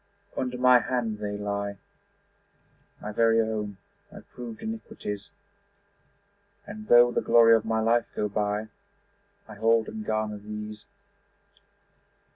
Under my hand they lie, My very own, my proved iniquities; And though the glory of my life go by I hold and garner these.